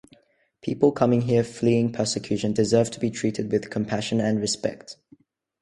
People coming here fleeing persecution deserve to be treated with compassion and respect.